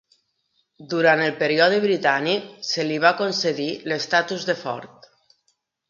Durant el període britànic, se li va concedir l'estatus de fort.